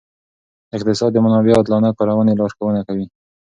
اقتصاد د منابعو عادلانه کارونې لارښوونه کوي.